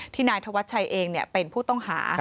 นายธวัชชัยเองเป็นผู้ต้องหา